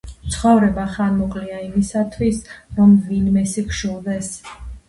ცხოვრება ხანმოკლეა იმისთვის, რომ ვინმესი გშურდეს.